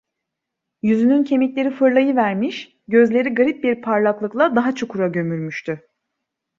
Yüzünün kemikleri fırlayıvermiş, gözleri garip bir parlaklıkla daha çukura gömülmüştü.